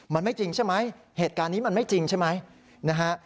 มันไม่จริงใช่ไหมเหตุการณ์นี้มันไม่จริงใช่ไหมนะฮะ